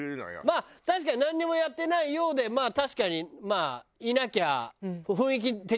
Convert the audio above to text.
まあ確かになんにもやってないようで確かにまあいなきゃ。